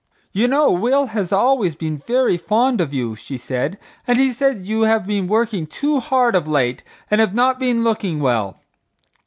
"You know Will has always been very fond of you," she said; "and he says you have been working too hard of late and have not been looking well.